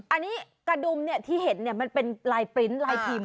อันนี้กระดุมที่เห็นมันเป็นลายปริ้นต์ลายพิมพ์